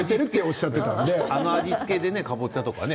あの味付けで、かぼちゃとかね。